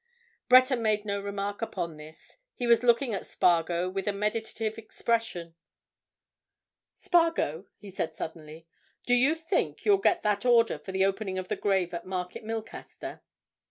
Breton made no remark upon this. He was looking at Spargo with a meditative expression. "Spargo," he said, suddenly, "do you think you'll get that order for the opening of the grave at Market Milcaster?"